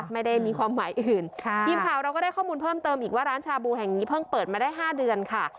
ไม่ได้มีความหมายอื่นค่ะทีมข่าวเราก็ได้ข้อมูลเพิ่มเติมอีกว่าร้านชาบูแห่งนี้เพิ่งเปิดมาได้๕เดือนค่ะ